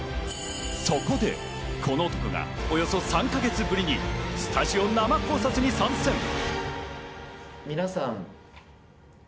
そこで、この男がおよそ３か月ぶりにスタジオ生考察に参戦。